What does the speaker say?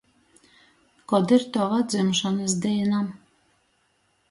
Kod ir tova dzimšonys dīna?